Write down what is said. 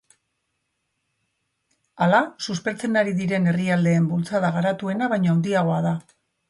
Hala, suspertzen ari diren herrialdeen bultzada garatuena baino handiagoa da.